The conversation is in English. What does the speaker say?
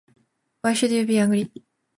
Why should you be angry?